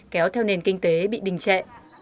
kéo theo nền kinh tế bị đình trệ